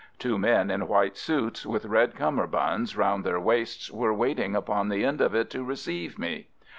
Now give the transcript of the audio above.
Two men in white suits with red cummerbunds round their waists were waiting upon the end of it to receive me.